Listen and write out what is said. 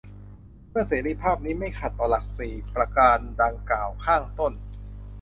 เมื่อเสรีภาพนี้ ไม่ขัดต่อหลักสี่ประการดังกล่าวข้างต้น